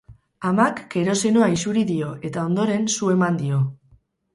Amak kerosenoa isuri dio, eta ondoren su eman dio.